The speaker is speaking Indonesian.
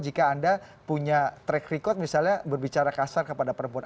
jika anda punya track record misalnya berbicara kasar kepada perempuan